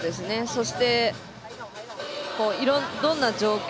そして、どんな状況